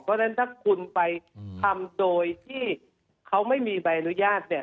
เพราะฉะนั้นถ้าคุณไปทำโดยที่เขาไม่มีใบอนุญาตเนี่ย